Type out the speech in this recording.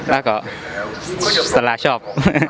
แล้วก็สาราชอบ